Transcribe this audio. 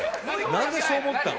なんでそう思ったの？